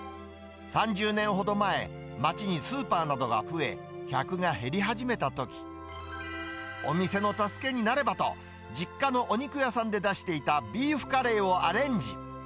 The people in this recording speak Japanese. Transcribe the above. ３０年ほど前、町にスーパーなどが増え、客が減り始めたとき、お店の助けになればと、実家のお肉屋さんで出していたビーフカレーをアレンジ。